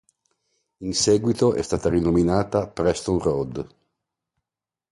In seguito è stata rinominata "Preston Road".